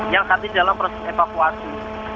yang tadi dalam proses evakuasi